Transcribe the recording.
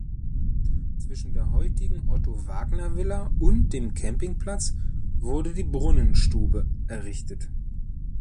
Zwischen der heutigen Otto-Wagner-Villa und dem Campingplatz wurde die Brunnenstube errichtet.